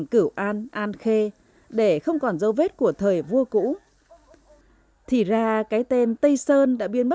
của nghĩa quân tây sơn